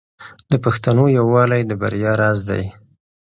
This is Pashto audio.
د پښتنو یووالی د بریا راز دی.